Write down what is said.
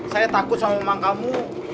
saya takut sama kamu